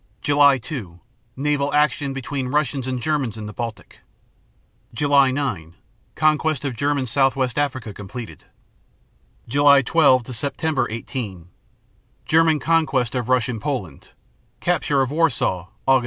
July 2 Naval action between Russians and Germans in the Baltic. July 9 Conquest of German Southwest Africa completed. July 12 German conquest of Russian Poland; capture of Warsaw Sept.